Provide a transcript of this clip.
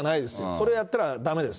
それをやったらだめです。